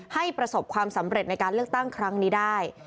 ประสบความสำเร็จในการเลือกตั้งครั้งนี้ได้